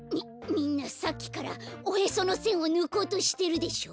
みんなさっきからおへそのせんをぬこうとしてるでしょ！？